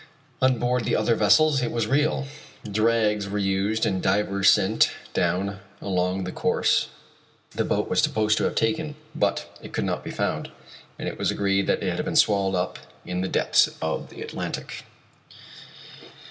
On board the other vessels it was real. Drags were used and divers sent down along the course the boat was supposed to have taken, but it could not be found, and it was agreed that it had been swallowed up in the depths of the Atlantic.